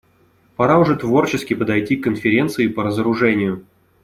Пора уже творчески подойти к Конференции по разоружению.